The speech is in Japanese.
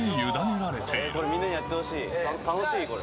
楽しい、これ。